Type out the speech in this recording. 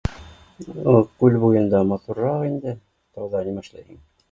Күл буйында матурыраҡ инде, тауҙа нимә эшләйһең